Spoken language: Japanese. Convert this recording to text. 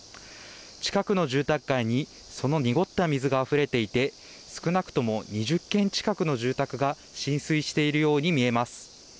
近くの住宅街にその濁った水があふれていて少なくとも２０軒近くの住宅が浸水しているように見えます。